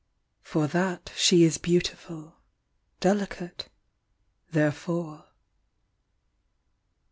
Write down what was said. u For that She is beautiful, delicate; Therefore."